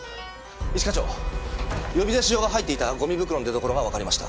一課長呼び出し状が入っていたゴミ袋の出どころがわかりました。